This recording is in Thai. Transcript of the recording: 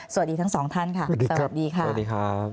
สวัสดีทั้งสองท่านค่ะสวัสดีค่ะสวัสดีครับ